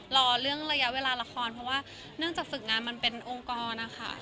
รอเรื่องระยะเวลาละครเพราะว่าเนื่องจากฝึกงานมันเป็นองค์กรนะคะ